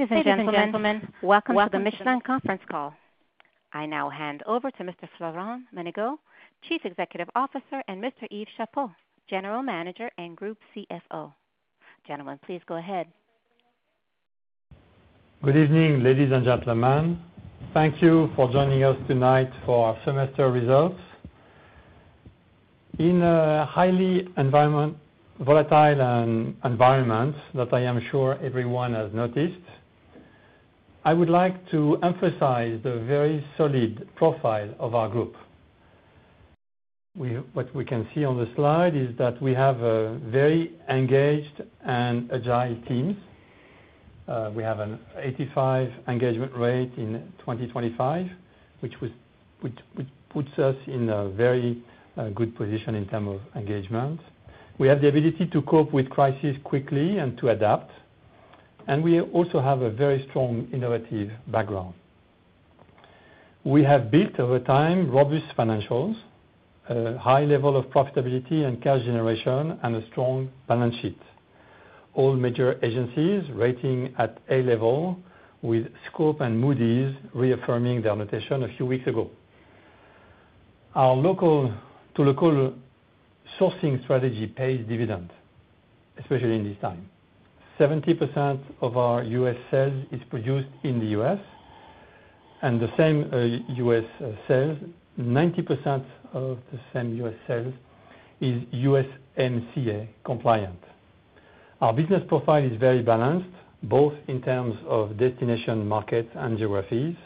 Ladies and gentlemen, welcome to the Michelin Conference Call. I now hand over to Mr. Florent Menegaux, Chief Executive Officer, and Mr. Yves Chapot, General Manager and Group CFO. Gentlemen, please go ahead. Good evening, ladies and gentlemen. Thank you for joining us tonight for our semester results. In a highly volatile environment that I am sure everyone has noticed. I would like to emphasize the very solid profile of our group. What we can see on the slide is that we have very engaged and agile teams. We have an 85% engagement rate in 2025, which puts us in a very good position in terms of engagement. We have the ability to cope with crises quickly and to adapt, and we also have a very strong innovative background. We have built over time robust financials, a high level of profitability and cash generation, and a strong balance sheet. All major agencies rating at A level, with Scope and Moody’s reaffirming their notation a few weeks ago. Our local sourcing strategy pays dividends, especially in this time. 70% of our U.S. sales is produced in the US. And the same U.S. sales, 90% of the same U.S. sales, is USMCA compliant. Our business profile is very balanced, both in terms of destination markets and geographies,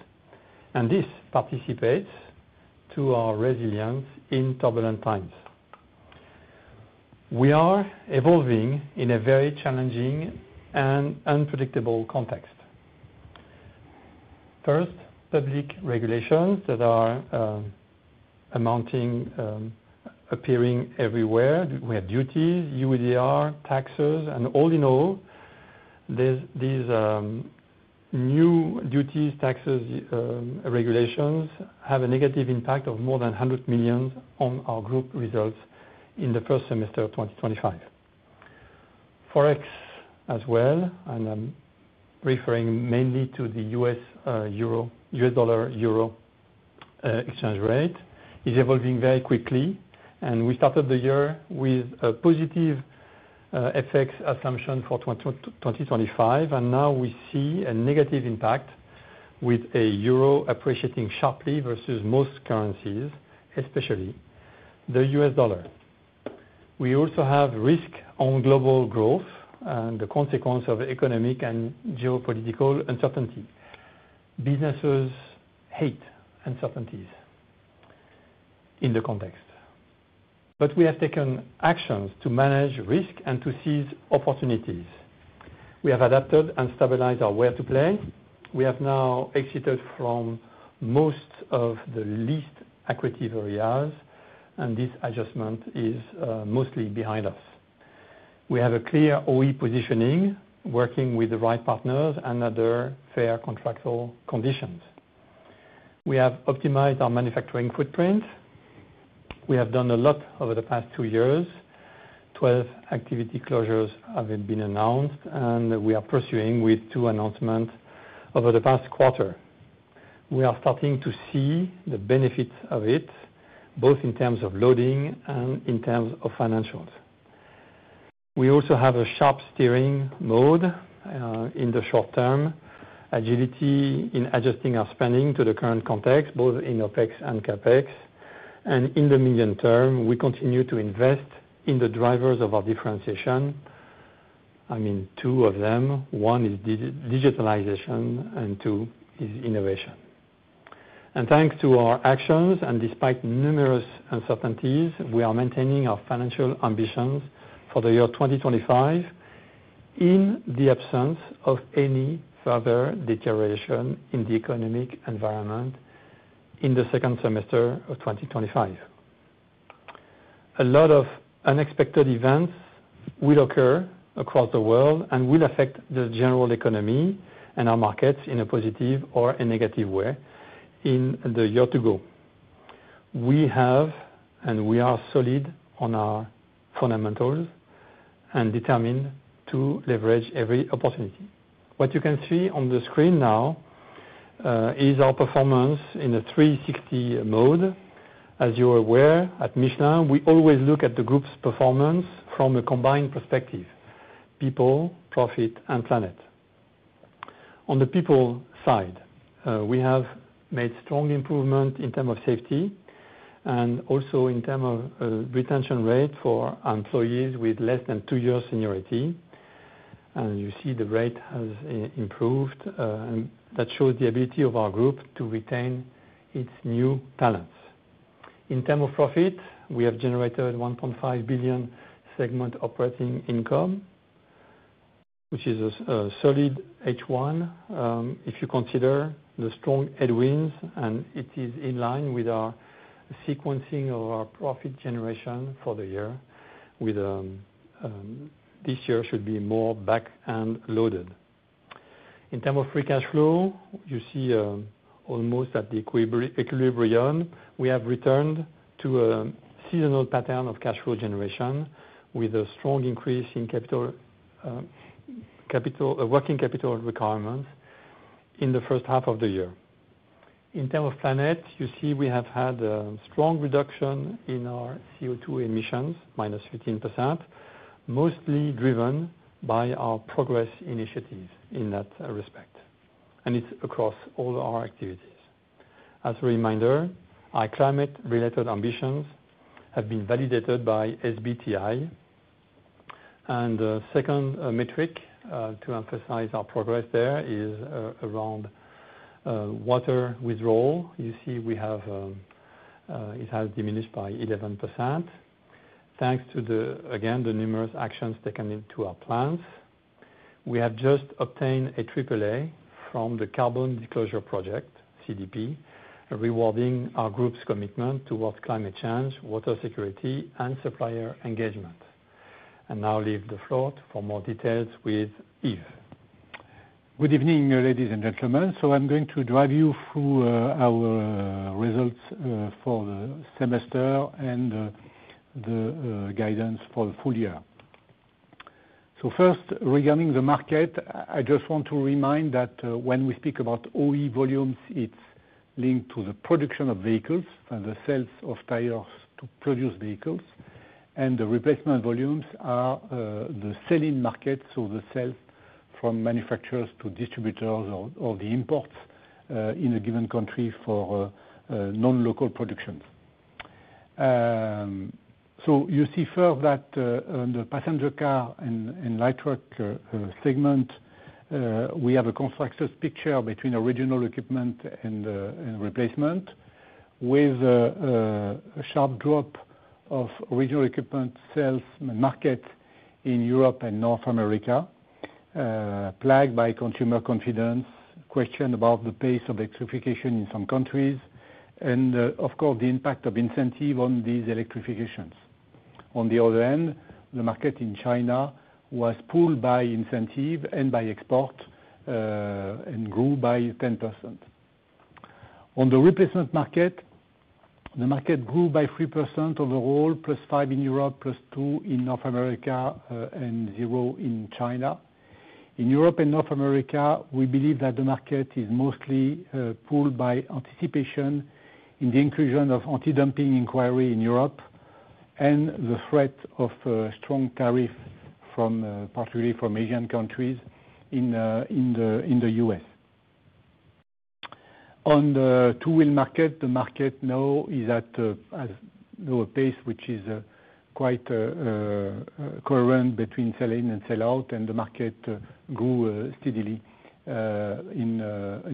and this participates to our resilience in turbulent times. We are evolving in a very challenging and unpredictable context. First, public regulations that are appearing everywhere. We have duties, EUDR, taxes, and all in all these new duties, taxes, regulations have a negative impact of more than 100 million on our group results in the first semester of 2025. Forex as well, and I am referring mainly to the U.S. dollar/euro exchange rate, is evolving very quickly, and we started the year with a positive FX assumption for 2025, and now we see a negative impact with a euro appreciating sharply versus most currencies, especially the U.S. dollar. We also have risk on global growth and the consequence of economic and geopolitical uncertainty. Businesses hate uncertainties in the context. We have taken actions to manage risk and to seize opportunities. We have adapted and stabilized our way to play. We have now exited from most of the least accretive areas, and this adjustment is mostly behind us. We have a clear OE positioning, working with the right partners and other fair contractual conditions. We have optimized our manufacturing footprint. We have done a lot over the past two years. 12 activity closures have been announced, and we are pursuing with two announcements over the past quarter. We are starting to see the benefits of it, both in terms of loading and in terms of financials. We also have a sharp steering mode in the short term, agility in adjusting our spending to the current context, both in OpEx and CapEx. In the medium term, we continue to invest in the drivers of our differentiation. I mean, two of them. One is digitalization, and two is innovation. Thanks to our actions, and despite numerous uncertainties, we are maintaining our financial ambitions for the year 2025 in the absence of any further deterioration in the economic environment in the second semester of 2025. A lot of unexpected events will occur across the world and will affect the general economy and our markets in a positive or a negative way in the year to go. We have, and we are solid on our fundamentals, and determined to leverage every opportunity. What you can see on the screen now is our performance in a 360 mode. As you are aware, at Michelin, we always look at the group's performance from a combined perspective: people, profit, and planet. On the people side, we have made strong improvements in terms of safety and also in terms of retention rate for employees with less than two years' seniority. You see the rate has improved, and that shows the ability of our group to retain its new talents. In terms of profit, we have generated 1.5 billion segment operating income, which is a solid H1 if you consider the strong headwinds, and it is in line with our sequencing of our profit generation for the year. This year should be more back-end loaded. In terms of free cash flow, you see almost at the equilibrium, we have returned to a seasonal pattern of cash flow generation with a strong increase in working capital requirements in the first half of the year. In terms of planet, you see we have had a strong reduction in our CO2 emissions, -15%, mostly driven by our progress initiatives in that respect, and it is across all our activities. As a reminder, our climate-related ambitions have been validated by SBTi. The second metric to emphasize our progress there is around water withdrawal. You see we have, it has diminished by 11%, thanks to, again, the numerous actions taken into our plans. We have just obtained a Triple-A from the Carbon Disclosure Project, CDP, rewarding our group's commitment towards climate change, water security, and supplier engagement. I will leave the floor for more details with Yves. Good evening, ladies and gentlemen. I'm going to drive you through our results for the semester and the guidance for the full year. First, regarding the market, I just want to remind that when we speak about OE volumes, it's linked to the production of vehicles, the sales of tires to produce vehicles, and the replacement volumes are the selling market, so the sales from manufacturers to distributors or the imports in a given country for non-local productions. You see first that on the passenger car and light truck segment, we have a contrasted picture between original equipment and replacement, with a sharp drop of original equipment sales market in Europe and North America, plagued by consumer confidence, question about the pace of electrification in some countries, and of course, the impact of incentive on these electrifications. On the other hand, the market in China was pulled by incentive and by export and grew by 10%. On the replacement market, the market grew by 3% overall, +5% in Europe, +2% in North America, and 0% in China. In Europe and North America, we believe that the market is mostly pulled by anticipation in the inclusion of anti-dumping inquiry in Europe and the threat of strong tariffs, particularly from Asian countries in the US. On the two-wheel market, the market now is at a pace which is quite coherent between selling and sellout, and the market grew steadily in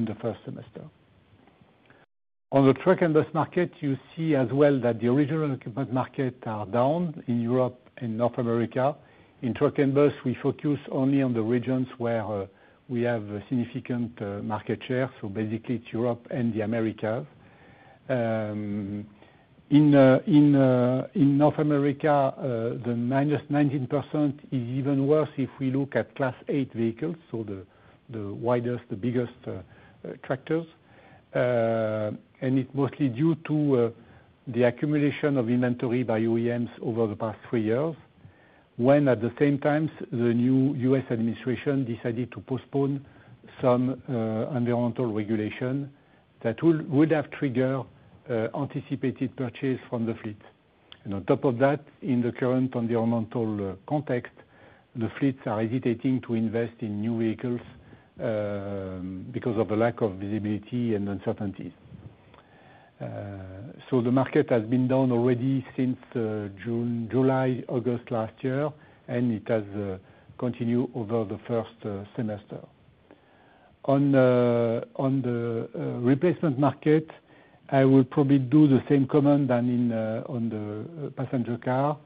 the first semester. On the truck and bus market, you see as well that the original equipment markets are down in Europe and North America. In truck and bus, we focus only on the regions where we have significant market share, so basically it's Europe and the Americas. In North America, the -19% is even worse if we look at Class 8 vehicles, so the widest, the biggest tractors, and it's mostly due to the accumulation of inventory by OEMs over the past three years, when at the same time the new U.S. administration decided to postpone some environmental regulation that would have triggered anticipated purchase from the fleet. On top of that, in the current environmental context, the fleets are hesitating to invest in new vehicles because of the lack of visibility and uncertainties. The market has been down already since July, August last year, and it has continued over the first semester. On the replacement market, I will probably do the same comment than on the passenger car.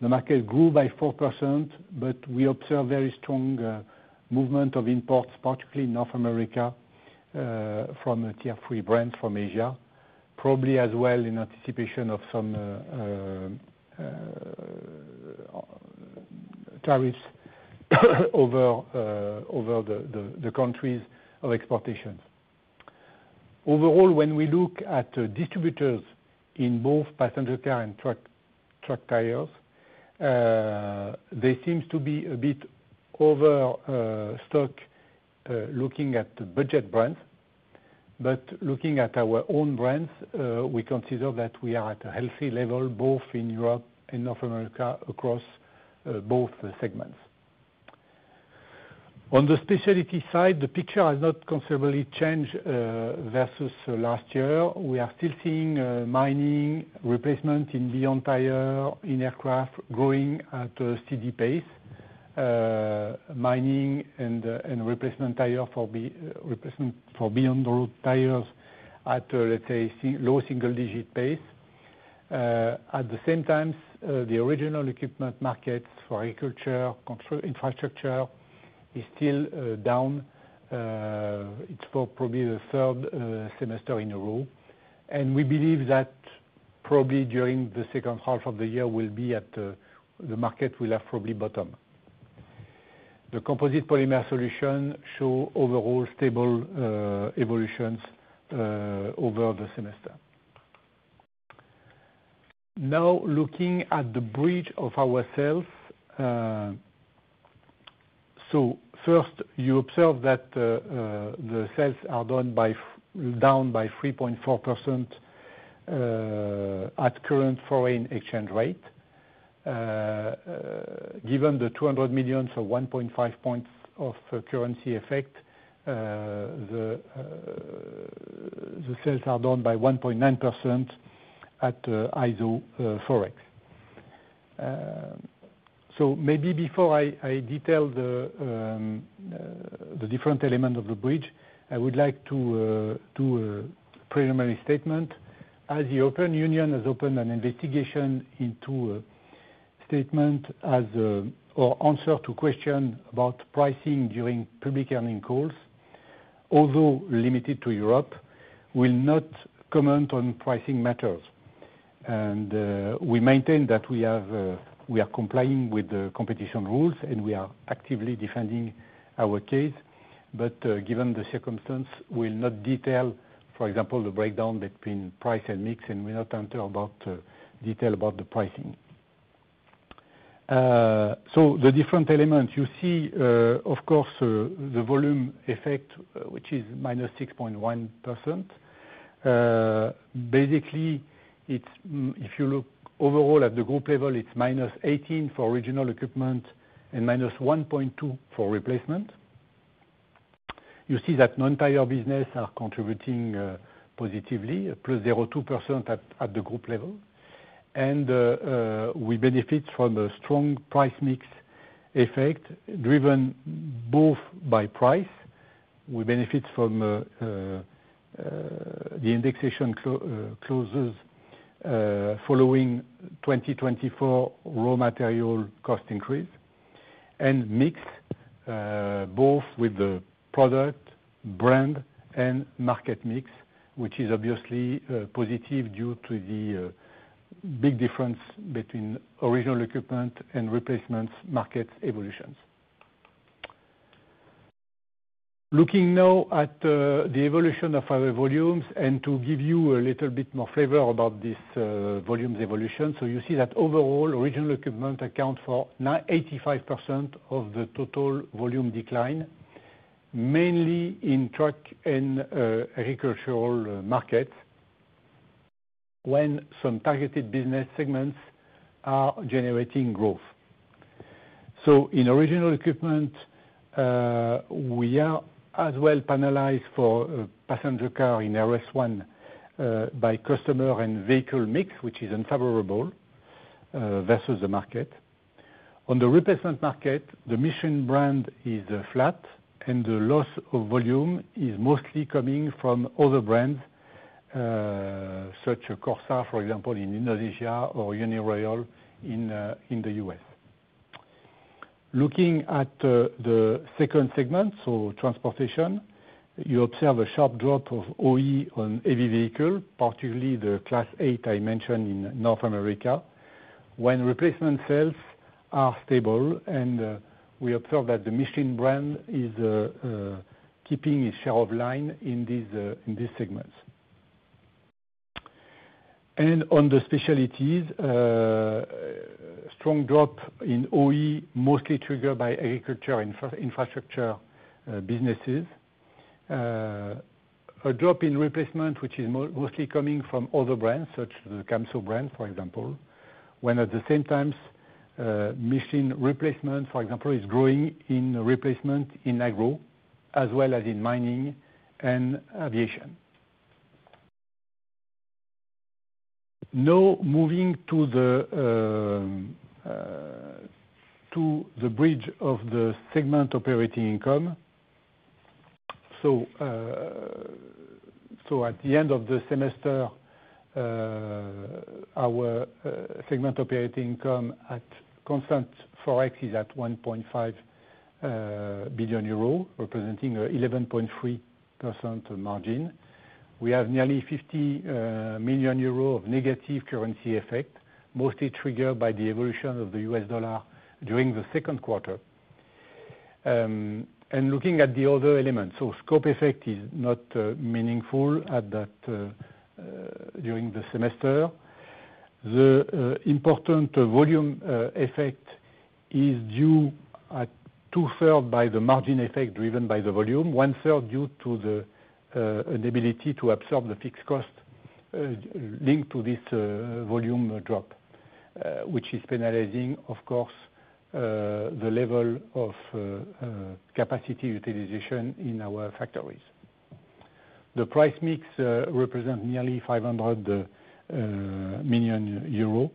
The market grew by 4%, but we observed very strong movement of imports, particularly in North America, from tier three brands from Asia, probably as well in anticipation of some tariffs over the countries of exportation. Overall, when we look at distributors in both passenger car and truck tires, they seem to be a bit overstock, looking at budget brands. Looking at our own brands, we consider that we are at a healthy level both in Europe and North America across both segments. On the specialty side, the picture has not considerably changed versus last year. We are still seeing mining, replacement in beyond tire, in aircraft growing at a steady pace. Mining and replacement tire for beyond tires at, let's say, low single-digit pace. At the same time, the original equipment markets for agriculture infrastructure is still down. It's for probably the third semester in a row. We believe that probably during the second half of the year the market will have probably bottomed. The composite polymer solution shows overall stable evolutions over the semester. Now looking at the bridge of our sales. First, you observe that the sales are down by 3.4% at current foreign exchange rate. Given the 200 million, so 1.5 points of currency effect, the sales are down by 1.9% at ISO Forex. Maybe before I detail the different elements of the bridge, I would like to do a preliminary statement. As the European Union has opened an investigation into statements or answers to questions about pricing during public earning calls, although limited to Europe, we will not comment on pricing matters. We maintain that we are complying with the competition rules, and we are actively defending our case. Given the circumstance, we will not detail, for example, the breakdown between price and mix, and we will not detail about the pricing. The different elements you see, of course, the volume effect, which is -6.1%. Basically, if you look overall at the group level, it's -18% for original equipment and -1.2% for replacement. You see that non-tie-up business are contributing positively, +0.2% at the group level. We benefit from a strong price mix effect driven both by price. We benefit from the indexation clauses following 2024 raw material cost increase and mix, both with the product, brand, and market mix, which is obviously positive due to the big difference between original equipment and replacement market evolutions. Looking now at the evolution of our volumes and to give you a little bit more flavor about this volume's evolution, you see that overall original equipment accounts for 85% of the total volume decline, mainly in truck and agricultural markets, when some targeted business segments are generating growth. In original equipment, we are as well penalized for passenger car in RS1 by customer and vehicle mix, which is unfavorable versus the market. On the replacement market, the Michelin brand is flat, and the loss of volume is mostly coming from other brands, such as Corsa, for example, in Indonesia, or Uniroyal in the US. Looking at the second segment, transportation, you observe a sharp drop of OE on heavy vehicles, particularly the Class 8 I mentioned in North America. When replacement sales are stable, and we observe that the Michelin brand is keeping its share of line in these segments. On the specialties, strong drop in OE mostly triggered by agriculture infrastructure businesses. A drop in replacement, which is mostly coming from other brands, such as the Camso brand, for example, when at the same time Michelin replacement, for example, is growing in replacement in agro as well as in mining and aviation. Now moving to the bridge of the segment operating income. At the end of the semester, our segment operating income at constant Forex is at 1.5 billion euro, representing an 11.3% margin. We have nearly 50 million euro of negative currency effect, mostly triggered by the evolution of the U.S. dollar during the second quarter. Looking at the other elements, scope effect is not meaningful during the semester. The important volume effect is due at two-thirds by the margin effect driven by the volume, one-third due to the inability to absorb the fixed cost linked to this volume drop, which is penalizing, of course, the level of capacity utilization in our factories. The price mix represents nearly 500 million euro.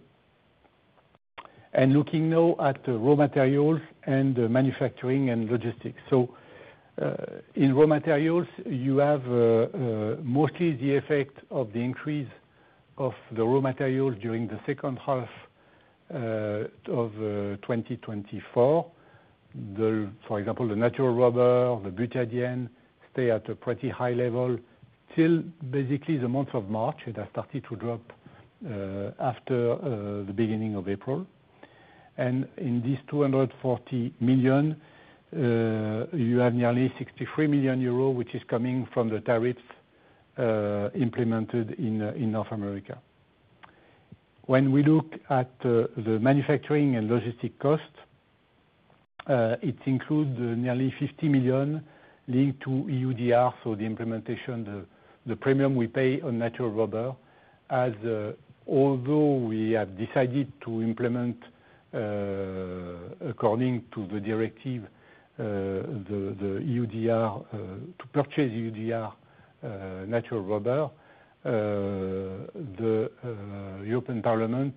Looking now at raw materials and manufacturing and logistics. In raw materials, you have mostly the effect of the increase of the raw materials during the second half of 2024. For example, the natural rubber, the butadiene, stay at a pretty high level till basically the month of March. It has started to drop after the beginning of April. In these 240 million, you have nearly 63 million euros, which is coming from the tariffs implemented in North America. When we look at the manufacturing and logistic cost, it includes nearly 50 million linked to EUDR, so the implementation, the premium we pay on natural rubber. Although we have decided to implement according to the directive, the EUDR, to purchase EUDR natural rubber, the European Parliament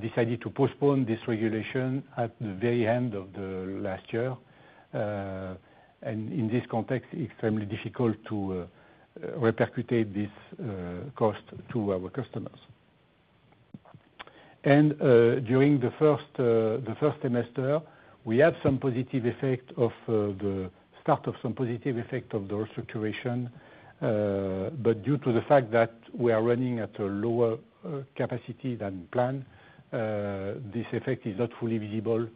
decided to postpone this regulation at the very end of last year. In this context, it's extremely difficult to repercute this cost to our customers. During the first semester, we have some positive effect, the start of some positive effect of the restructuration. Due to the fact that we are running at a lower capacity than planned, this effect is not fully visible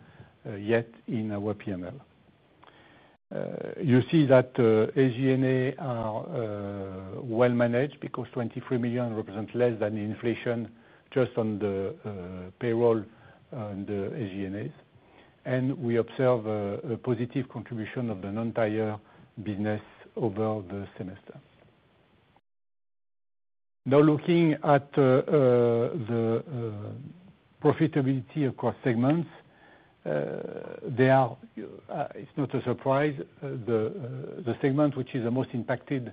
yet in our P&L. You see that SG&A are well managed because 23 million represents less than inflation just on the payroll and the SG&As. We observe a positive contribution of the non-tie-up business over the semester. Now looking at the profitability across segments. It's not a surprise. The segment which is the most impacted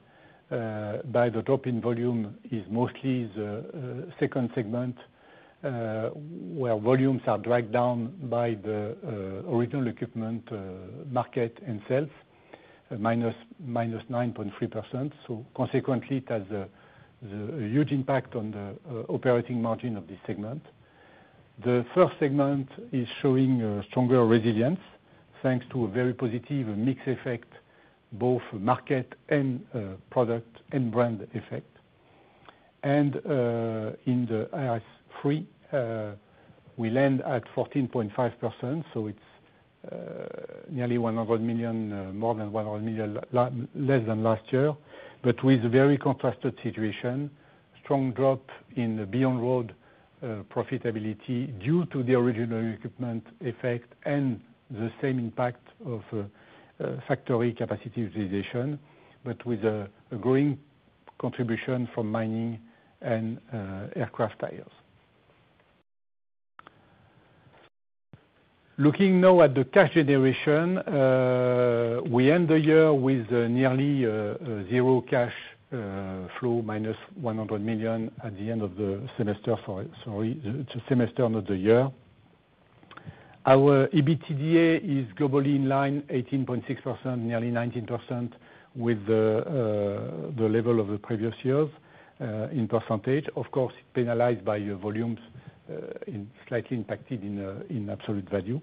by the drop in volume is mostly the second segment, where volumes are dragged down by the original equipment market and sales, -9.3%. Consequently, it has a huge impact on the operating margin of this segment. The first segment is showing stronger resilience thanks to a very positive mix effect, both market and product and brand effect. In the RS3, we land at 14.5%. It is nearly $100 million, more than $100 million less than last year, but with a very contrasted situation, strong drop in the beyond road profitability due to the original equipment effect and the same impact of factory capacity utilization, but with a growing contribution from mining and aircraft tires. Looking now at the cash generation, we end the year with nearly zero cash flow, -$100 million at the end of the semester, sorry, the semester, not the year. Our EBITDA is globally in line, 18.6%, nearly 19%, with the level of the previous years in percentage. Of course, it is penalized by volumes, slightly impacted in absolute value.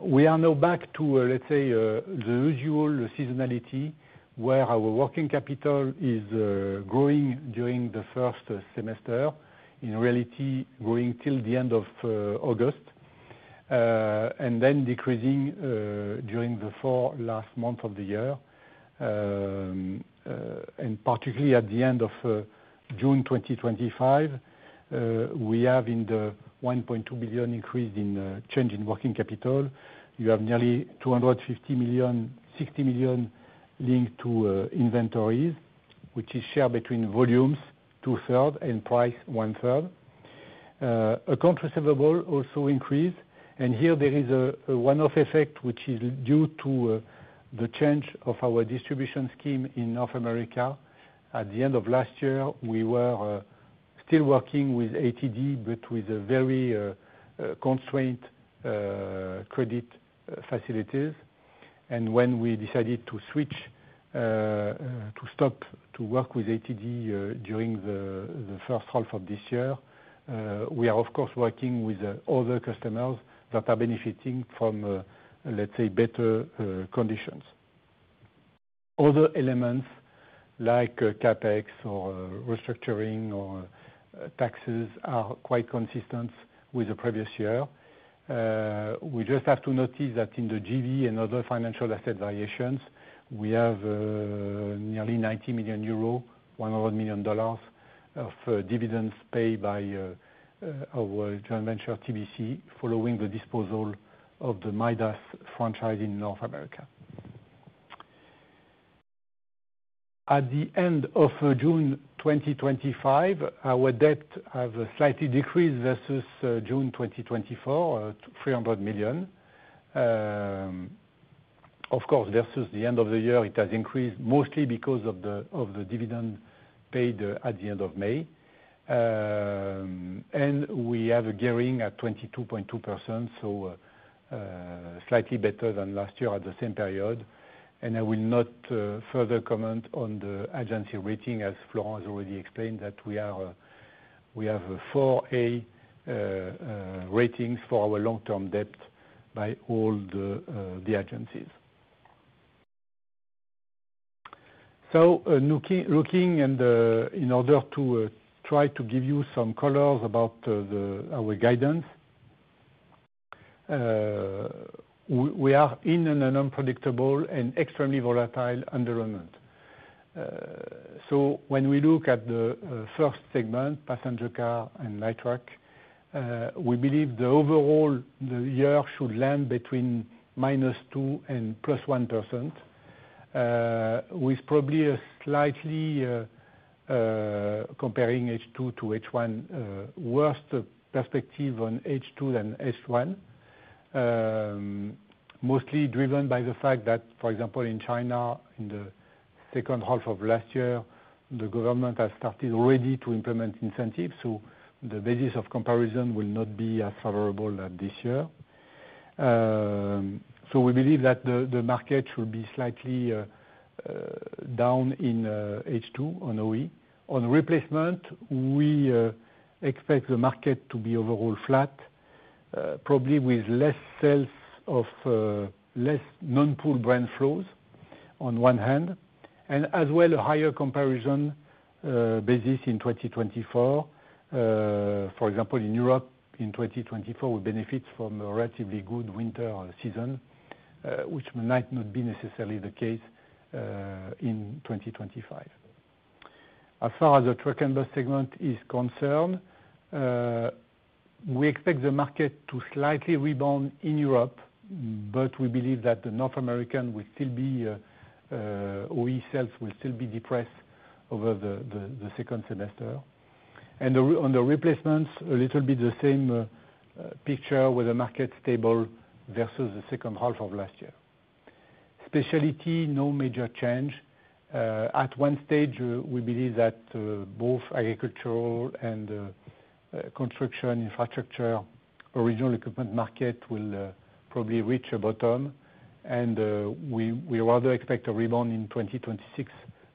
We are now back to, let's say, the usual, the seasonality, where our working capital is growing during the first semester, in reality growing till the end of August, and then decreasing during the four last months of the year. Particularly at the end of June 2025, we have in the $1.2 billion increase in change in working capital, you have nearly $250 million, $60 million linked to inventories, which is shared between volumes two-thirds, and price, one-third. Accounts receivable also increase, and here there is a one-off effect, which is due to the change of our distribution scheme in North America. At the end of last year, we were still working with ATD, but with very constrained credit facilities. When we decided to switch, to stop to work with ATD during the first half of this year, we are, of course, working with other customers that are benefiting from, let's say, better conditions. Other elements like CapEx or restructuring or taxes are quite consistent with the previous year. We just have to notice that in the JV and other financial asset variations, we have nearly 90 million euros, $100 million of dividends paid by our joint venture, TBC, following the disposal of the Midas franchise in North America. At the end of June 2025, our debt has slightly decreased versus June 2024, $300 million. Of course, versus the end of the year, it has increased mostly because of the dividend paid at the end of May. We have a gearing at 22.2%, so slightly better than last year at the same period. I will not further comment on the agency rating, as Florent has already explained that we have four A ratings for our long-term debt by all the agencies. Looking in order to try to give you some colors about our guidance, we are in an unpredictable and extremely volatile environment. When we look at the first segment, passenger car and light truck, we believe the overall year should land between -2% and +1%, with probably a slightly, comparing H2 to H1, worst perspective on H2 than H1. Mostly driven by the fact that, for example, in China, in the second half of last year, the government has started already to implement incentives. The basis of comparison will not be as favorable as this year. We believe that the market should be slightly down in H2 on OE. On replacement, we expect the market to be overall flat, probably with less sales of less non-pool brand flows on one hand, and as well a higher comparison basis in 2024. For example, in Europe, in 2024, we benefit from a relatively good winter season, which might not be necessarily the case in 2025. As far as the truck and bus segment is concerned, we expect the market to slightly rebound in Europe, but we believe that the North American will still be. OE sales will still be depressed over the second semester. On the replacements, a little bit the same picture with a market stable versus the second half of last year. Specialty, no major change. At one stage, we believe that both agricultural and construction infrastructure original equipment market will probably reach a bottom. We rather expect a rebound in 2026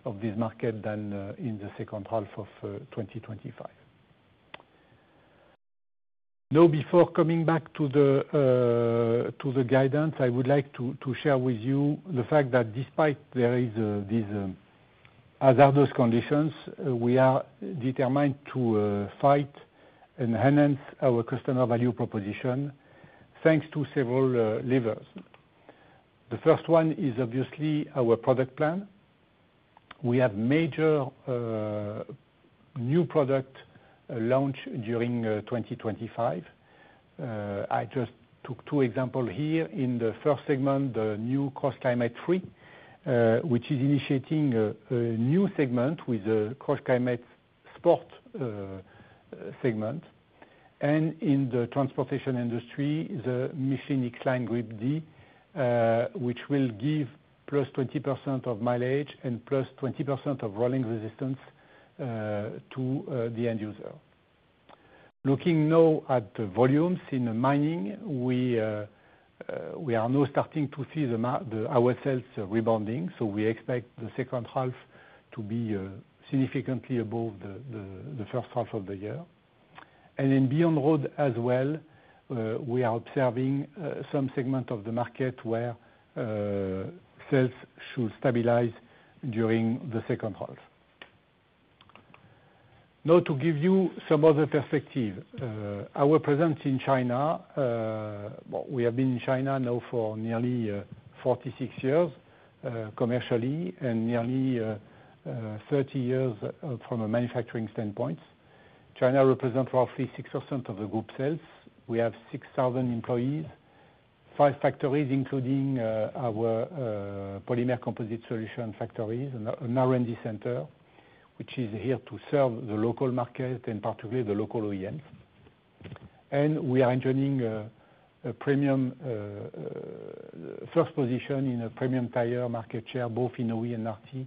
of this market than in the second half of 2025. Now, before coming back to the guidance, I would like to share with you the fact that despite there are these hazardous conditions, we are determined to fight and enhance our customer value proposition thanks to several levers. The first one is obviously our product plan. We have major new product launch during 2025. I just took two examples here. In the first segment, the new CrossClimate 3, which is initiating a new segment with the CrossClimate Sport segment. In the transportation industry, the Michelin X-Line Grip D, which will give +20% of mileage and +20% of rolling resistance to the end user. Looking now at the volumes in mining, we are now starting to see our sales rebounding. We expect the second half to be significantly above the first half of the year. In beyond road as well, we are observing some segment of the market where sales should stabilize during the second half. Now, to give you some other perspective, our presence in China. We have been in China now for nearly 46 years commercially and nearly 30 years from a manufacturing standpoint. China represents roughly 6% of the group sales. We have 6,000 employees, five factories, including our polymer composite solution factories, an R&D center, which is here to serve the local market, in particular the local OEMs. We are enjoying a premium first position in a premium tire market share, both in OE and RT.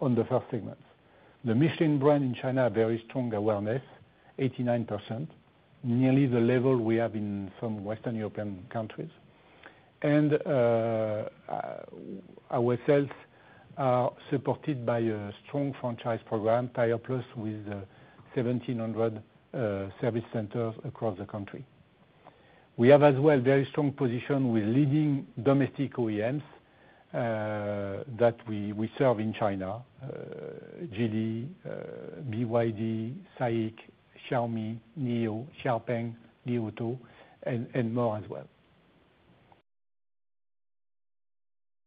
On the first segment, the Michelin brand in China has very strong awareness, 89%, nearly the level we have in some Western European countries. Our sales are supported by a strong franchise program, TirePlus, with 1,700 service centers across the country. We have as well a very strong position with leading domestic OEMs that we serve in China. GE, BYD, SAIC, Xiaomi, NIO, Xpeng, Li Auto, and more as well.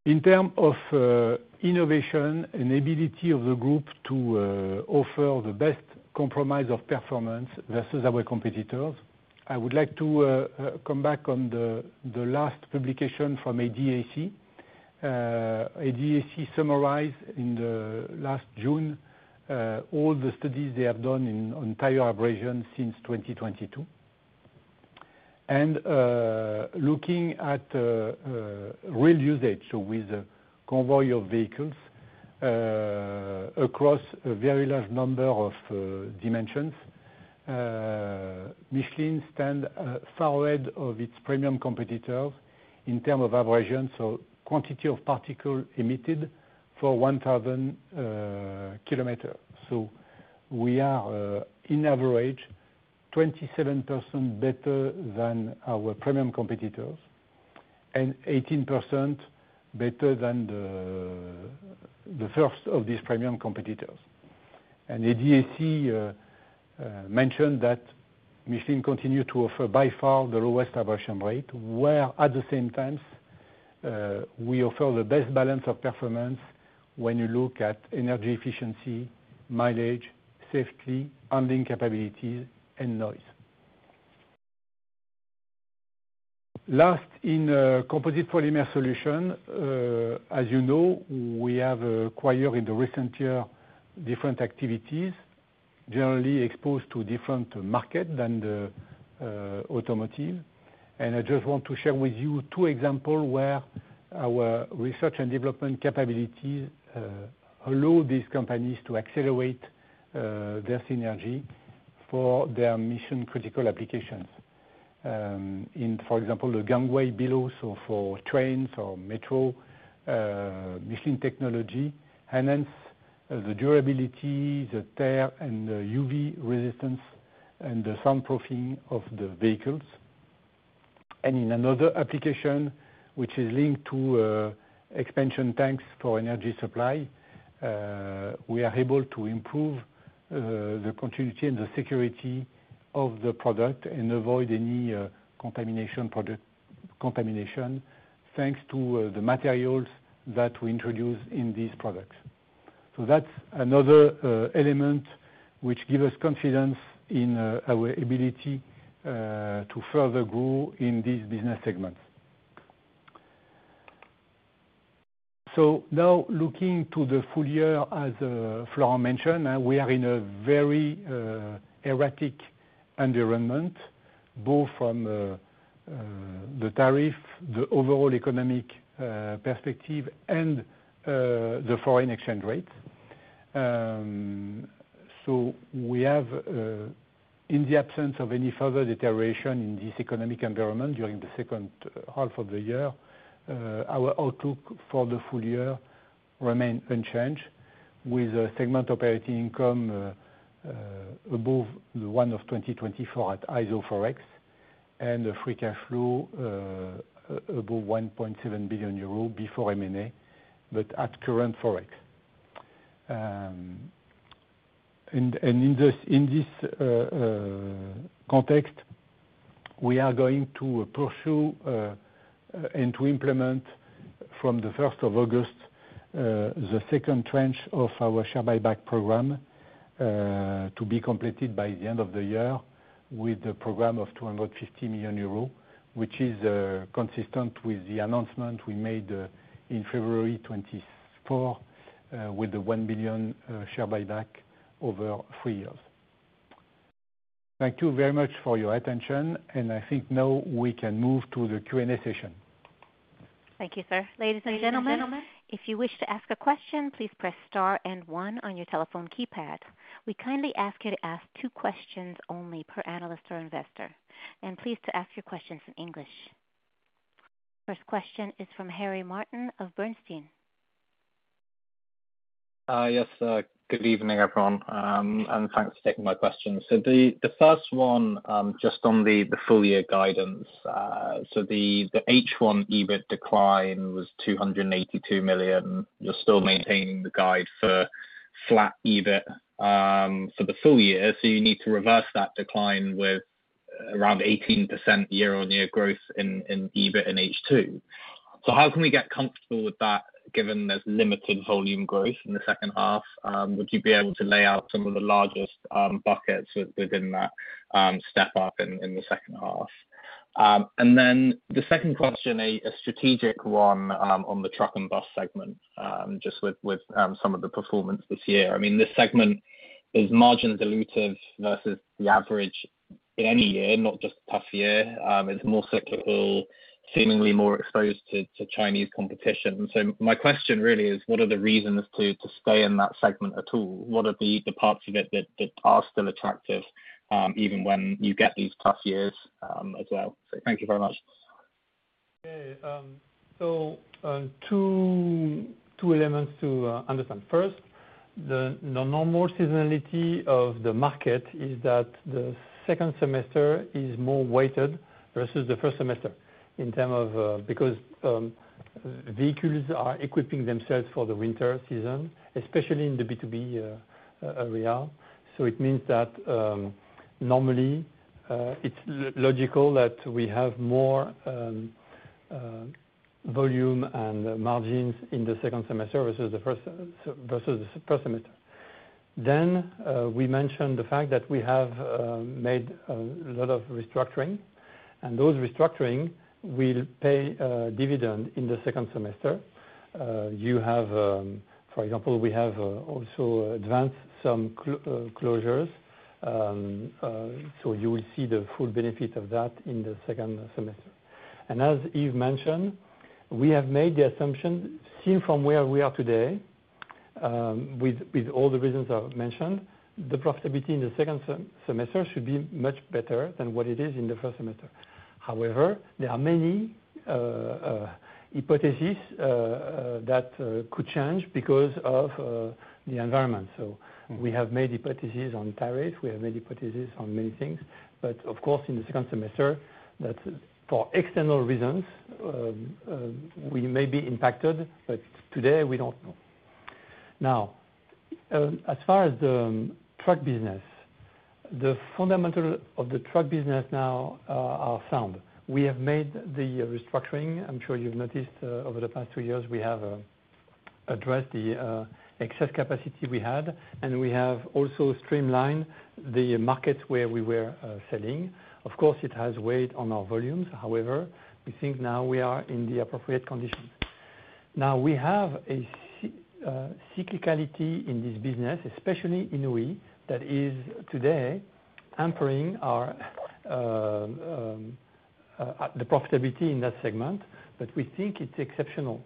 In terms of innovation and ability of the group to offer the best compromise of performance versus our competitors, I would like to come back on the last publication from ADAC. ADAC summarized in the last June all the studies they have done on tire abrasion since 2022. Looking at real usage, so with a convoy of vehicles across a very large number of dimensions, Michelin stands far ahead of its premium competitors in terms of abrasion, so quantity of particles emitted for 1,000 km. We are, on average, 27% better than our premium competitors and 18% better than the first of these premium competitors. ADAC mentioned that Michelin continues to offer by far the lowest abrasion rate, where at the same time we offer the best balance of performance when you look at energy efficiency, mileage, safety, handling capabilities, and noise. Last, in composite polymer solution, as you know, we have acquired in the recent year different activities, generally exposed to different markets than automotive. I just want to share with you two examples where our research and development capabilities allow these companies to accelerate their synergy for their mission-critical applications. For example, the gangway below, so for trains or metro, Michelin technology enhances the durability, the tear, and the UV resistance and the soundproofing of the vehicles. In another application, which is linked to expansion tanks for energy supply, we are able to improve the continuity and the security of the product and avoid any contamination thanks to the materials that we introduce in these products. That is another element which gives us confidence in our ability to further grow in these business segments. Now looking to the full year, as Florent mentioned, we are in a very erratic environment, both from the tariff, the overall economic perspective, and the foreign exchange rates. We have, in the absence of any further deterioration in this economic environment during the second half of the year, our outlook for the full year remains unchanged, with a segment operating income above the one of 2024 at ISO Forex and a free cash flow above 1.7 billion euro before M&A, but at current Forex. In this context, we are going to pursue and to implement from the 1st of August the second tranche of our share buyback program, to be completed by the end of the year with the program of 250 million euros, which is consistent with the announcement we made in February 2024 with the 1 billion share buyback over three years. Thank you very much for your attention. I think now we can move to the Q&A session. Thank you, sir. Ladies and gentlemen, if you wish to ask a question, please press star and one on your telephone keypad. We kindly ask you to ask two questions only per analyst or investor. Please ask your questions in English. First question is from Harry Martin of Bernstein. Yes, good evening, everyone. Thanks for taking my question. The first one just on the full year guidance. The H1 EBIT decline was 282 million. You're still maintaining the guide for flat EBIT for the full year. You need to reverse that decline with around 18% year-on-year growth in EBIT in H2. How can we get comfortable with that given there's limited volume growth in the second half? Would you be able to lay out some of the largest buckets within that step up in the second half? The second question, a strategic one on the truck and bus segment, just with some of the performance this year. I mean, this segment is margin-dilutive versus the average in any year, not just a tough year. It's more cyclical, seemingly more exposed to Chinese competition. My question really is, what are the reasons to stay in that segment at all? What are the parts of it that are still attractive even when you get these tough years as well? Thank you very much. Okay. Two elements to understand. First, the normal seasonality of the market is that the second semester is more weighted versus the first semester in terms of because vehicles are equipping themselves for the winter season, especially in the B2B area. It means that normally, it's logical that we have more volume and margins in the second semester versus the first semester. Then we mentioned the fact that we have made a lot of restructuring, and those restructuring will pay a dividend in the second semester. For example, we have also advanced some closures, so you will see the full benefit of that in the second semester. As Yves mentioned, we have made the assumption seen from where we are today. With all the reasons I've mentioned, the profitability in the second semester should be much better than what it is in the first semester. However, there are many hypotheses that could change because of the environment. We have made hypotheses on tariffs. We have made hypotheses on many things. Of course, in the second semester, for external reasons, we may be impacted, but today we don't know. Now, as far as the truck business, the fundamentals of the truck business now are sound. We have made the restructuring. I'm sure you've noticed over the past two years we have addressed the excess capacity we had, and we have also streamlined the markets where we were selling. Of course, it has weighed on our volumes. However, we think now we are in the appropriate condition. Now, we have a cyclicality in this business, especially in OE, that is today hampering our profitability in that segment, but we think it's exceptional.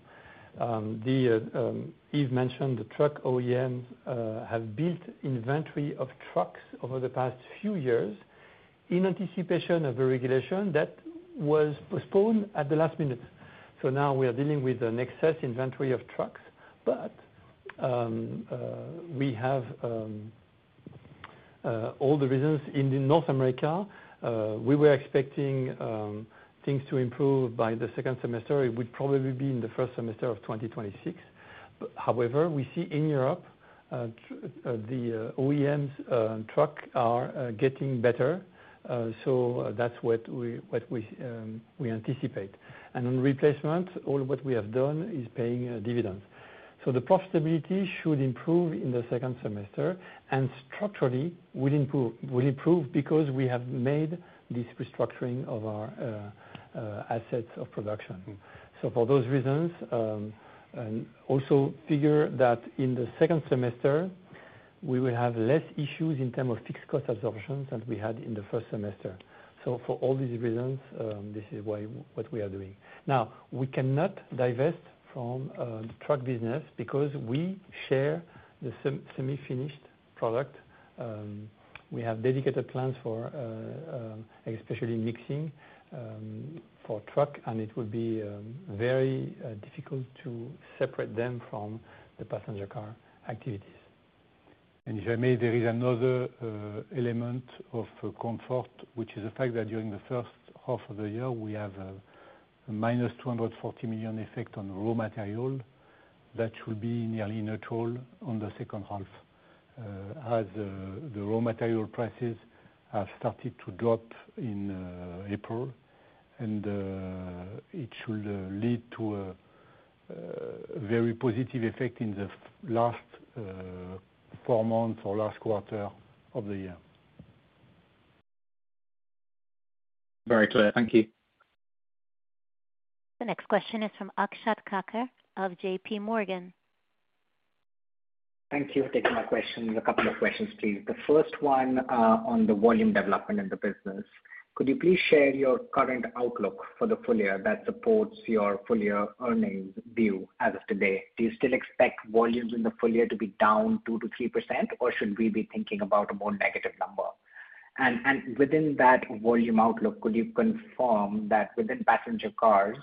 Yves mentioned the truck OEMs have built inventory of trucks over the past few years in anticipation of a regulation that was postponed at the last minute. Now we are dealing with an excess inventory of trucks, but we have all the reasons. In North America, we were expecting things to improve by the second semester. It would probably be in the first semester of 2026. However, we see in Europe the OEMs' trucks are getting better. That's what we anticipate. On replacement, all what we have done is paying dividends, so the profitability should improve in the second semester, and structurally, we'll improve because we have made this restructuring of our assets of production. For those reasons, and also figure that in the second semester, we will have less issues in terms of fixed cost absorption than we had in the first semester. For all these reasons, this is what we are doing. Now, we cannot divest from the truck business because we share the semi-finished product. We have dedicated plans for especially mixing for truck, and it will be very difficult to separate them from the passenger car activities. If I may, there is another element of comfort, which is the fact that during the first half of the year, we have a -240 million effect on raw material that should be nearly neutral in the second half. As the raw material prices have started to drop in April, it should lead to a very positive effect in the last four months or last quarter of the year. Very clear. Thank you. The next question is from Akash Kakkar of JPMorgan. Thank you for taking my questions. A couple of questions, please. The first one on the volume development in the business. Could you please share your current outlook for the full year that supports your full year earnings view as of today? Do you still expect volumes in the full year to be down 2%-3%, or should we be thinking about a more negative number? Within that volume outlook, could you confirm that within passenger cars,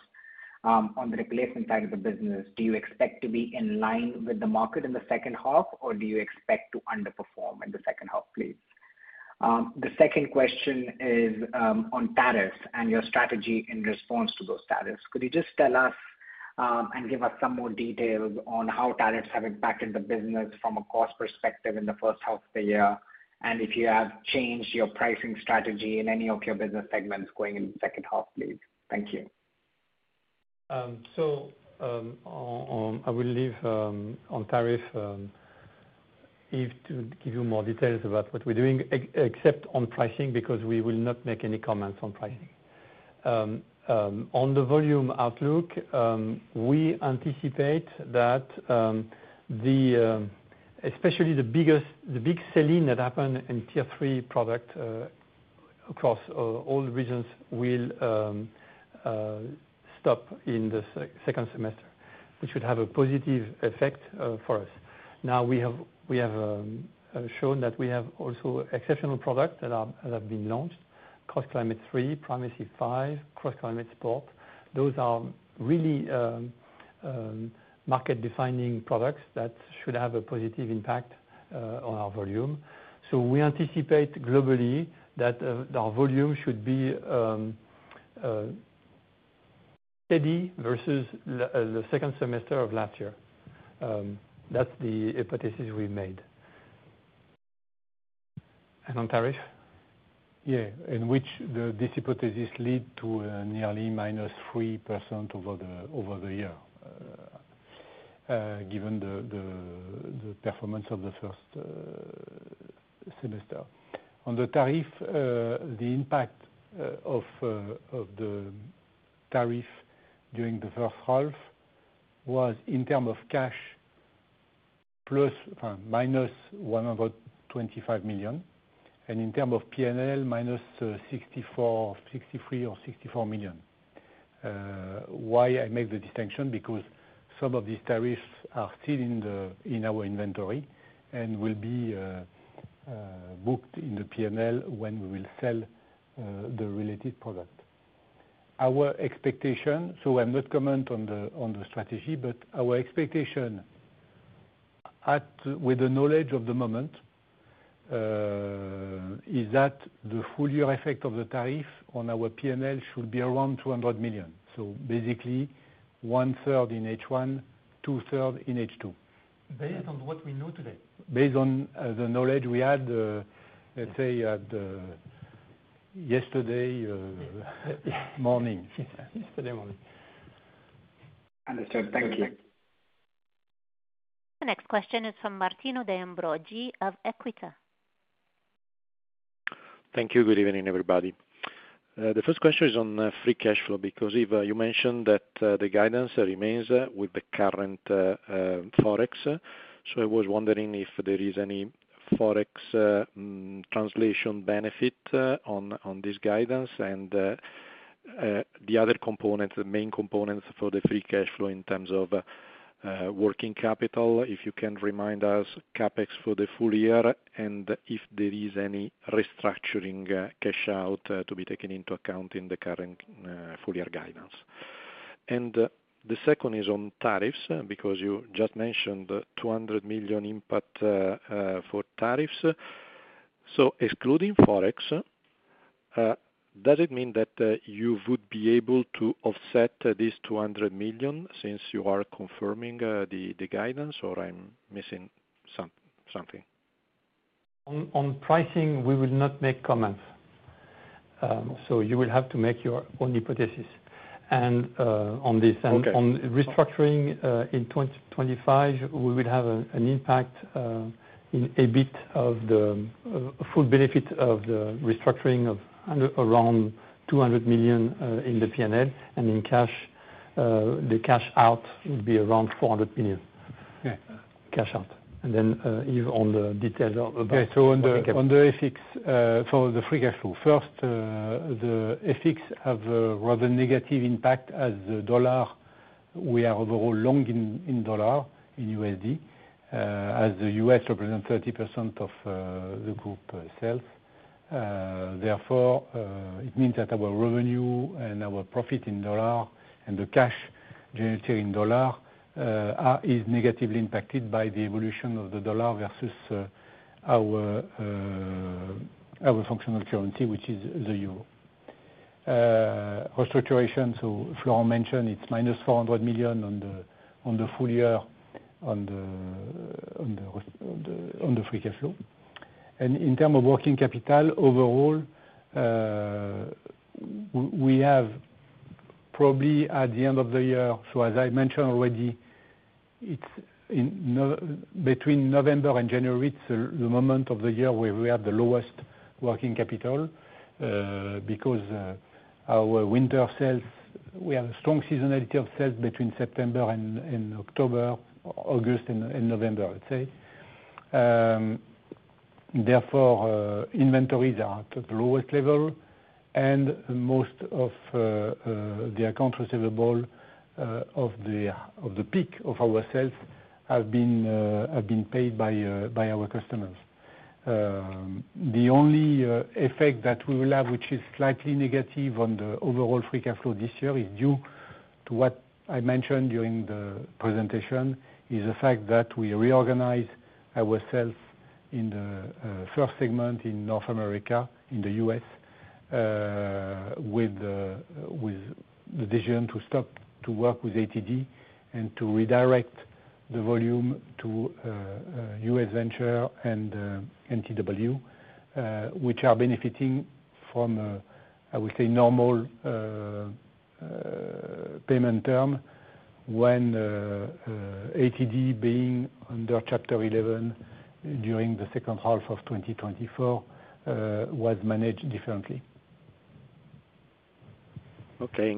on the replacement side of the business, do you expect to be in line with the market in the second half, or do you expect to underperform in the second half, please? The second question is on tariffs and your strategy in response to those tariffs. Could you just tell us and give us some more details on how tariffs have impacted the business from a cost perspective in the first half of the year, and if you have changed your pricing strategy in any of your business segments going into the second half, please? Thank you. I will leave on tariff. To give you more details about what we're doing, except on pricing, because we will not make any comments on pricing. On the volume outlook. We anticipate that. Especially the big selling that happened in tier three product. Across all regions will stop in the second semester, which would have a positive effect for us. Now, we have. Shown that we have also exceptional products that have been launched: CrossClimate 3, Primacy 5, CrossClimate Sport. Those are really. Market-defining products that should have a positive impact on our volume. We anticipate globally that our volume should be steady versus the second semester of last year. That's the hypothesis we made. On tariff? Yeah. Which this hypothesis leads to nearly -3% over the year. Given the performance of the first semester. On the tariff, the impact of the tariff during the first half was in terms of cash ±125 million, and in terms of P&L, -63 or -64 million. Why I make the distinction? Because some of these tariffs are still in our inventory and will be booked in the P&L when we will sell the related product. Our expectation—so I'm not commenting on the strategy—but our expectation, with the knowledge of the moment is that the full year effect of the tariff on our P&L should be around 200 million. Basically, one-third in H1, two-thirds in H2. Based on what we know today? Based on the knowledge we had, let's say, yesterday morning. Understood. Thank you. The next question is from Martino De Ambroggi of Equita. Thank you. Good evening, everybody. The first question is on free cash flow because you mentioned that the guidance remains with the current Forex. I was wondering if there is any Forex translation benefit on this guidance. The other components, the main components for the free cash flow in terms of working capital, if you can remind us, CapEx for the full year, and if there is any restructuring cash out to be taken into account in the current full year guidance. The second is on tariffs because you just mentioned $200 million impact for tariffs. Excluding Forex, does it mean that you would be able to offset this $200 million since you are confirming the guidance, or I'm missing something? On pricing, we will not make comments. You will have to make your own hypothesis. On restructuring in 2025, we will have an impact. The full benefit of the restructuring of around 200 million in the P&L, and in cash. The cash out would be around 400 million. Then Yves on the details about the CapEx. Yeah. On the FX, for the free cash flow, first. The FX has a rather negative impact as the dollar. We are overall long in dollar, in USD— as the U.S. represents 30% of the group sales. Therefore, it means that our revenue and our profit in dollar and the cash generated in dollar is negatively impacted by the evolution of the dollar versus our functional currency, which is the euro. Restructuration, so Florent mentioned, it's -400 million on the full year on the free cash flow. In terms of working capital, overall, we have probably at the end of the year, so as I mentioned already, between November and January, it's the moment of the year where we have the lowest working capital. Because our winter sales, we have a strong seasonality of sales between September and October, August, and November, let's say. Therefore, inventories are at the lowest level, and most of the accounts receivable of the peak of our sales have been paid by our customers. The only effect that we will have, which is slightly negative on the overall free cash flow this year, is due to what I mentioned during the presentation, is the fact that we reorganize our sales in the first segment in North America, in the U.S., with the decision to stop to work with ATD and to redirect the volume to U.S. Venture and NTW, which are benefiting from, I would say, normal payment term when ATD being under Chapter 11 during the second half of 2024 was managed differently. Okay.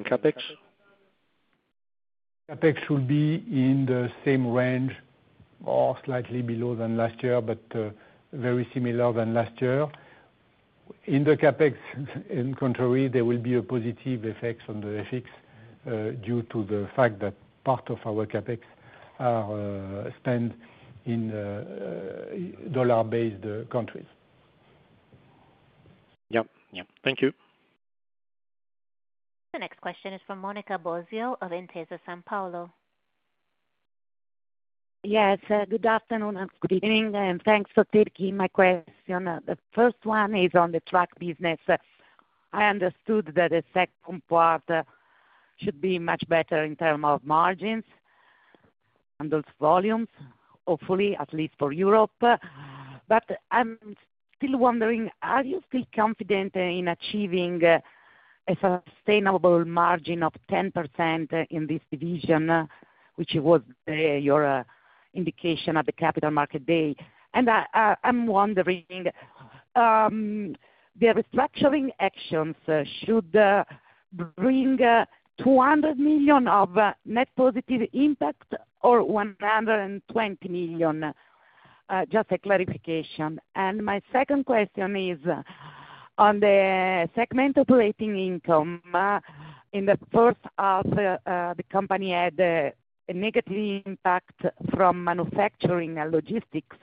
CapEx? CapEx should be in the same range or slightly below than last year, but very similar than last year. In the CapEx, in contrary, there will be a positive effect on the forex due to the fact that part of our CapEx are spent in dollar-based countries. Yep. Thank you. The next question is from Monica Bosio of Intesa Sanpaolo. Yes. Good afternoon and good evening, and thanks for taking my question. The first one is on the truck business. I understood that the second part should be much better in terms of margins and those volumes, hopefully, at least for Europe. I'm still wondering, are you still confident in achieving a sustainable margin of 10% in this division, which was your indication at the Capital Market Day? I'm wondering, the restructuring actions should bring 200 million of net positive impact or 120 million? Just a clarification. My second question is on the segment operating income. In the first half, the company had a negative impact from manufacturing and logistics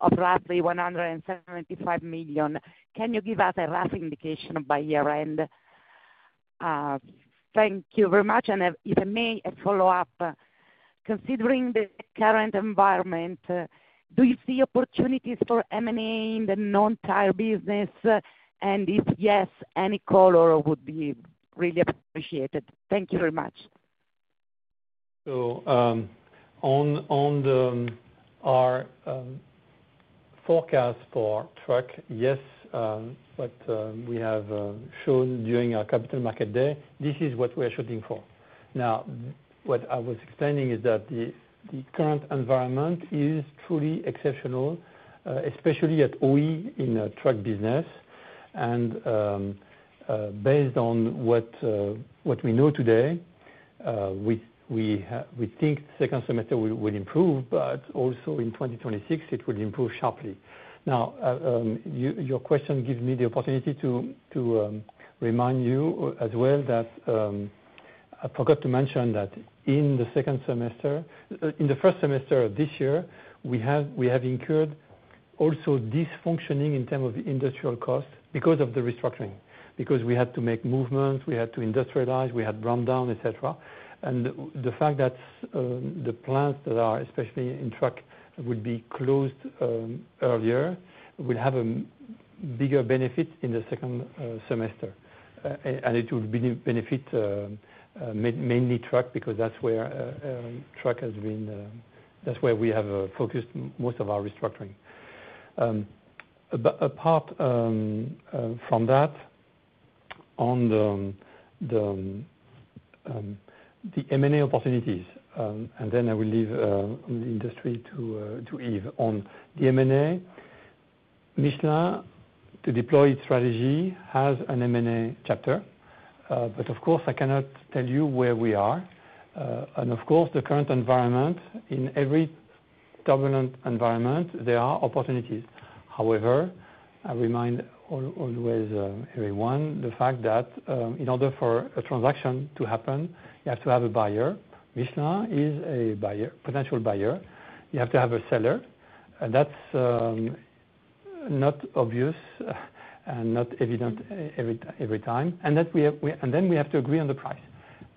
of roughly 175 million. Can you give us a rough indication by year-end? Thank you very much. If I may, a follow-up. Considering the current environment, do you see opportunities for M&A in the non-tire business? If yes, any color would be really appreciated. Thank you very much. On our forecast for truck, yes, what we have shown during our Capital Market Day, this is what we are shooting for. What I was explaining is that the current environment is truly exceptional, especially at OE in the truck business. Based on what we know today, we think the second semester will improve, but also in 2026, it will improve sharply. Your question gives me the opportunity to remind you as well that I forgot to mention that in the first semester of this year, we have incurred also dysfunctioning in terms of industrial costs because of the restructuring, because we had to make movements, we had to industrialize, we had rundown, etc. The fact that the plants that are especially in truck would be closed earlier will have a bigger benefit in the second semester. It will benefit mainly truck because that is where truck has been—that is where we have focused most of our restructuring. Apart from that, on the M&A opportunities, and then I will leave the industry to Yves. On the M&A, Michelin, to deploy its strategy, has an M&A chapter. Of course, I cannot tell you where we are. Of course, the current environment, in every turbulent environment, there are opportunities. However, I remind always everyone the fact that in order for a transaction to happen, you have to have a buyer. Michelin is a potential buyer. You have to have a seller. That is not obvious and not evident every time. Then we have to agree on the price.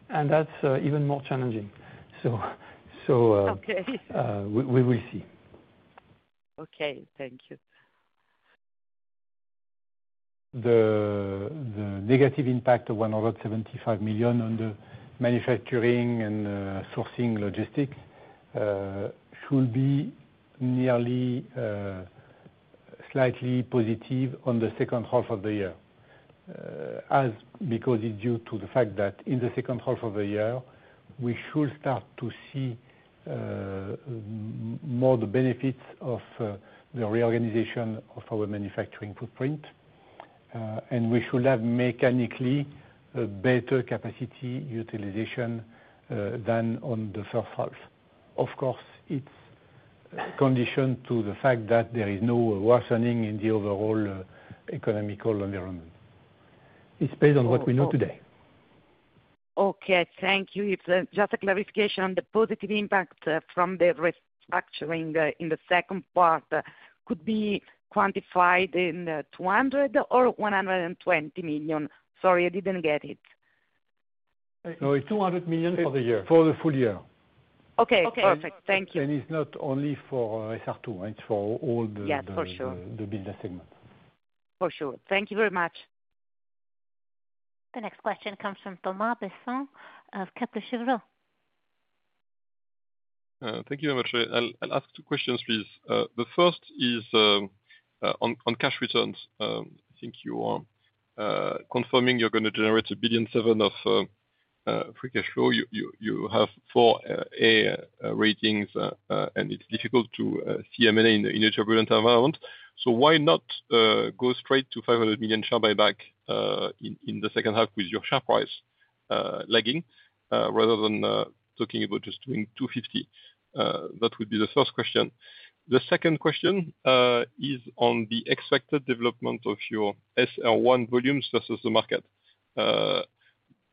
That is even more challenging. We will see. Okay. Thank you. The negative impact of 175 million on the manufacturing and sourcing logistics should be nearly slightly positive on the second half of the year. Because it's due to the fact that in the second half of the year, we should start to see more the benefits of the reorganization of our manufacturing footprint. And we should have mechanically better capacity utilization than on the first half. Of course, it's conditioned to the fact that there is no worsening in the overall economical environment. It's based on what we know today. Okay. Thank you. Just a clarification on the positive impact from the restructuring in the second part, could it be quantified in 200 or 120 million? Sorry, I didn't get it. No, it's 200 million for the year. For the full year. Okay. Perfect. Thank you. It is not only for SR2. It is for all the business segment. For sure. Thank you very much. The next question comes from Thomas Besson of Kepler Cheuvreux. Thank you very much. I'll ask two questions, please. The first is on cash returns. I think you are confirming you're going to generate 1.7 billion of free cash flow. You have four A ratings, and it's difficult to see M&A in a turbulent environment. Why not go straight to 500 million share buyback in the second half with your share price lagging rather than talking about just doing 250 million? That would be the first question. The second question is on the expected development of your SR1 volume versus the market.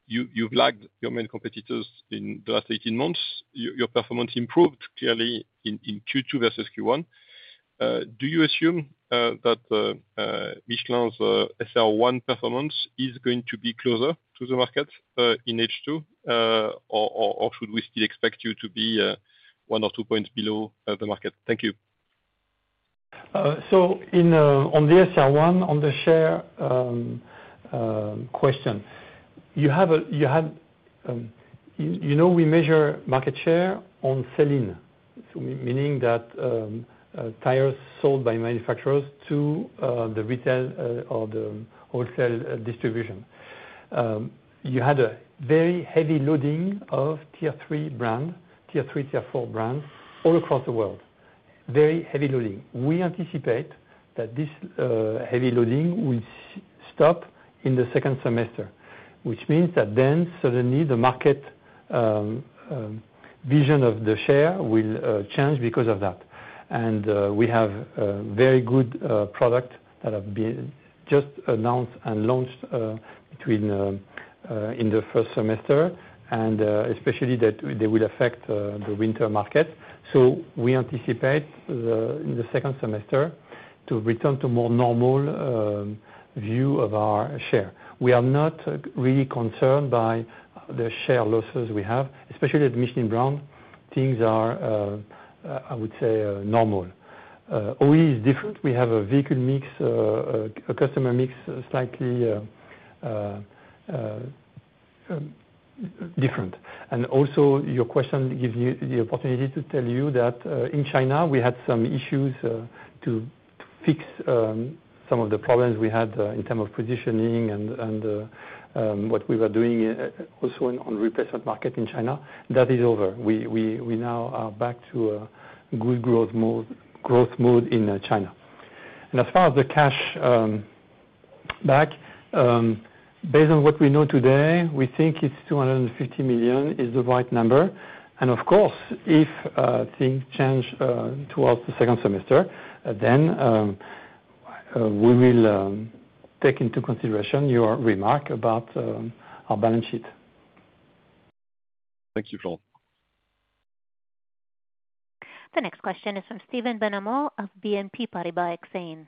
You've lagged your main competitors in the last 18 months. Your performance improved clearly in Q2 versus Q1. Do you assume that Michelin's SR1 performance is going to be closer to the market in H2, or should we still expect you to be one or two points below the market? Thank you. On the SR1, on the share question, you know we measure market share on sell-in, meaning that tires sold by manufacturers to the retail or the wholesale distribution. You had a very heavy loading of Tier 3, Tier 4 brands all across the world. Very heavy loading. We anticipate that this heavy loading will stop in the second semester, which means that then suddenly the market vision of the share will change because of that. We have very good products that have been just announced and launched in the first semester, and especially that they will affect the winter market. We anticipate in the second semester to return to a more normal view of our share. We are not really concerned by the share losses we have, especially at Michelin brand. Things are, I would say, normal. OE is different. We have a vehicle mix, a customer mix slightly different. Also, your question gives me the opportunity to tell you that in China, we had some issues to fix. Some of the problems we had in terms of positioning and what we were doing also on the replacement market in China. That is over. We now are back to a good growth mode in China. As far as the cash back, based on what we know today, we think $250 million is the right number. Of course, if things change towards the second semester, we will take into consideration your remark about our balance sheet. Thank you, Florent. The next question is from Stephen Benhamou of BNP Paribas Exane.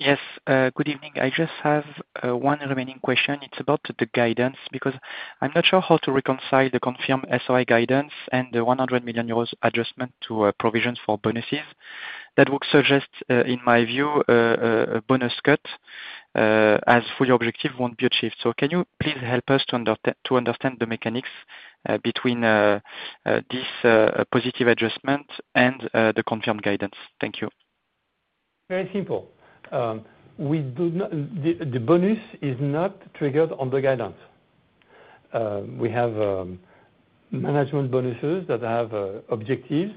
Yes. Good evening. I just have one remaining question. It's about the guidance because I'm not sure how to reconcile the confirmed SRI guidance and the 100 million euros adjustment to provisions for bonuses. That would suggest, in my view, a bonus cut, as fully objective won't be achieved. Can you please help us to understand the mechanics between this positive adjustment and the confirmed guidance? Thank you. Very simple. The bonus is not triggered on the guidance. We have management bonuses that have objectives,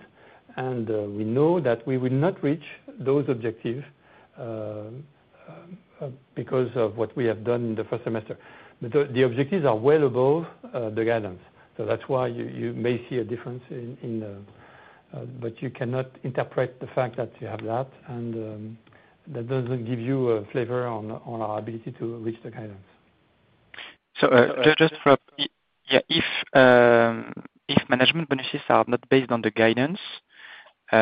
and we know that we will not reach those objectives because of what we have done in the first semester. The objectives are well above the guidance. That is why you may see a difference in. But you cannot interpret the fact that you have that, and that does not give you a flavor on our ability to reach the guidance. Just for, yeah, if management bonuses are not based on the guidance, they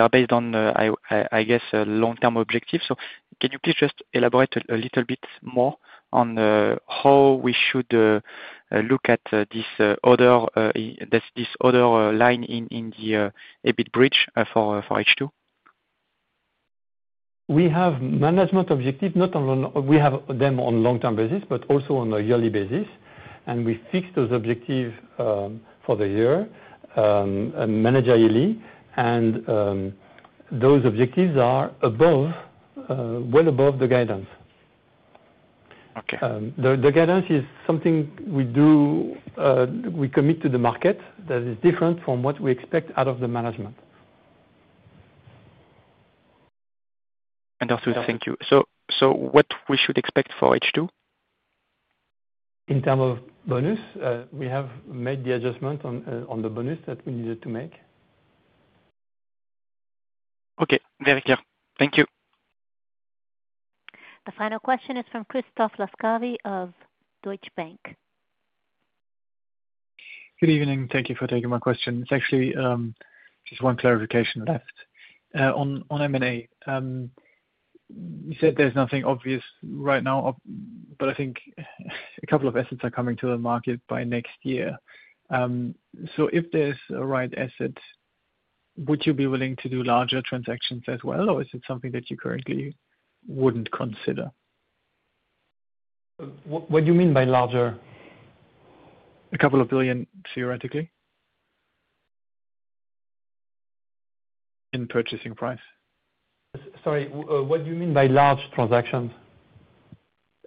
are based on, I guess, long-term objectives. Can you please just elaborate a little bit more on how we should look at this order line in the EBIT bridge for H2? We have management objectives, not only we have them on a long-term basis, but also on a yearly basis. We fixed those objectives for the year, managerially. Those objectives are above, well above the guidance. The guidance is something we do, we commit to the market. That is different from what we expect out of the management. Understood. Thank you. What should we expect for H2? In terms of bonus, we have made the adjustment on the bonus that we needed to make. Okay. Very clear. Thank you. The final question is from Christoph Laskawi of Deutsche Bank. Good evening. Thank you for taking my question. It's actually just one clarification left. On M&A. You said there's nothing obvious right now, but I think a couple of assets are coming to the market by next year. If there's a right asset, would you be willing to do larger transactions as well, or is it something that you currently wouldn't consider? What do you mean by larger? A couple of billion, theoretically. In purchasing price. Sorry, what do you mean by large transactions?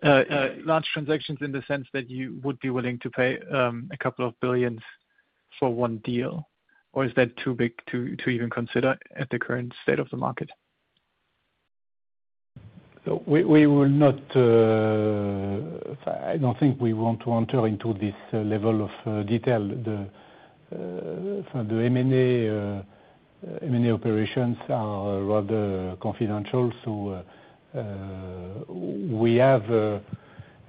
Large transactions in the sense that you would be willing to pay a couple of billion dollars for one deal, or is that too big to even consider at the current state of the market? We will not. I don't think we want to enter into this level of detail. The M&A operations are rather confidential.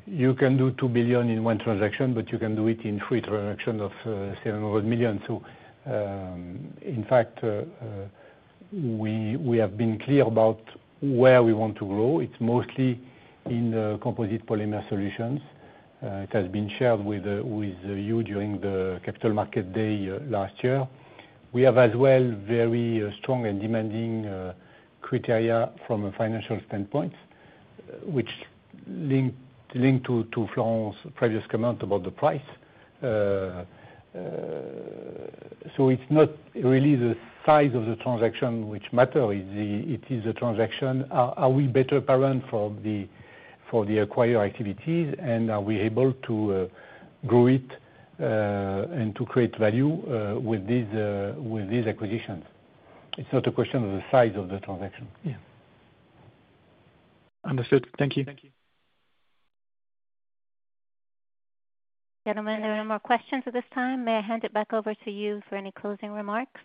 You can do $2 billion in one transaction, but you can do it in three transactions of $700 million. In fact, we have been clear about where we want to grow. It's mostly in composite polymer solutions. It has been shared with you during the Capital Market Day last year. We have as well very strong and demanding criteria from a financial standpoint, which link to Florent's previous comment about the price. It's not really the size of the transaction which matters. It is the transaction: are we better parent for the acquired activities, and are we able to grow it and to create value with these acquisitions? It's not a question of the size of the transaction. Understood. Thank you. Gentlemen, there are no more questions at this time. May I hand it back over to you for any closing remarks?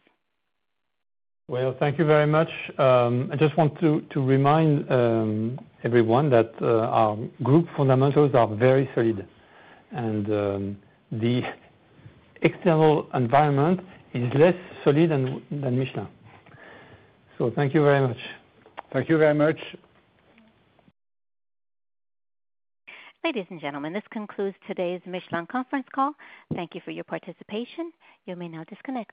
Thank you very much. I just want to remind everyone that our group fundamentals are very solid. The external environment is less solid than Michelin. Thank you very much. Thank you very much. Ladies and gentlemen, this concludes today's Michelin conference call. Thank you for your participation. You may now disconnect.